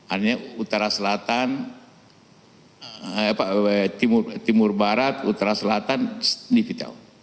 artinya utara selatan timur barat utara selatan digital